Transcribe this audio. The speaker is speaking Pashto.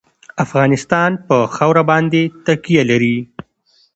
افغانستان په خاوره باندې تکیه لري.